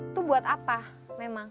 itu buat apa memang